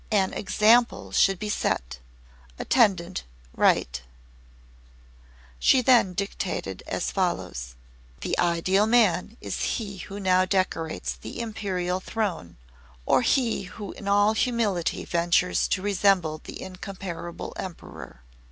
An example should be set. Attendant, write!" She then dictated as follows: "The Ideal Man is he who now decorates the Imperial Throne, or he who in all humility ventures to resemble the incomparable Emperor.